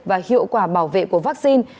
và hiệu quả bảo vệ của vaccine